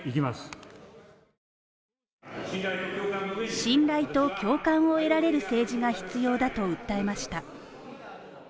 信頼と共感を得られる政治が必要だと訴えました。